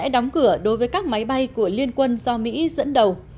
nga đã đóng cửa đối với các máy bay của liên quân do mỹ dẫn đầu